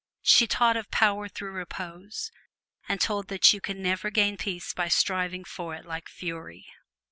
She taught of power through repose, and told that you can never gain peace by striving for it like fury.